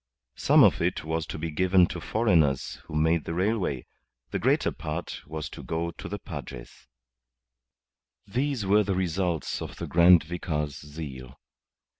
Some of it was to be given to foreigners who made the railway; the greater part was to go to the padres. These were the results of the Grand Vicar's zeal.